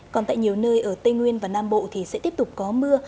còn tại nhiều nơi ở tây nguyên và nam bộ thì sẽ tiếp tục có mưa